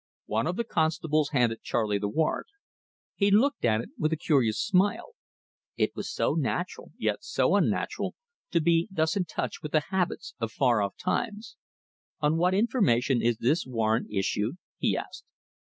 One of the constables handed Charley the warrant. He looked at it with a curious smile. It was so natural, yet so unnatural, to be thus in touch with the habits of far off times. "On what information is this warrant issued?" he asked.